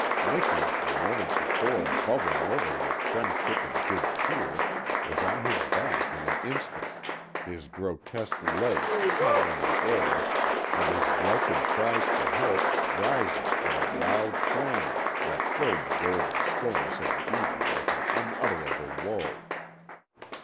Miki, a moment before bubbling over with friendship and good cheer, was on his back in an instant, his grotesque legs paddling the air and his yelping cries for help rising in a wild clamour that filled the golden stillness of the evening with an unutterable woe.